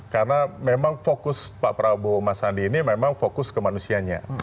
karena memang fokus pak prabowo mas andi ini memang fokus ke manusianya